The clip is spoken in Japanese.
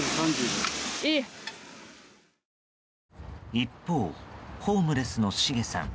一方、ホームレスのシゲさん。